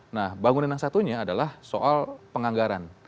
nah bangunan yang satunya adalah soal penganggaran